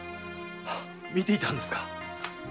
見ていたんですか。